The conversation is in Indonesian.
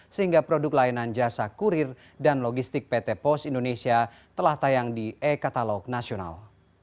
sehingga produk layanan jasa kurir dan logistik pt pos indonesia telah tayang di e katalog nasional